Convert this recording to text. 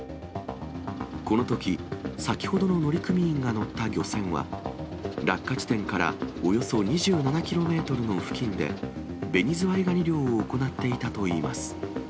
このとき、先ほどの乗組員が乗った漁船は、落下地点からおよそ２７キロメートルの付近で、ベニズワイガニ漁を行っていたといいます。